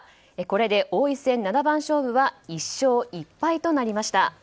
これで王位戦七番勝負は１勝１敗となりました。